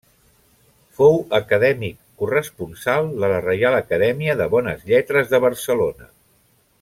Fou acadèmic corresponsal de la Reial Acadèmia de Bones Lletres de Barcelona.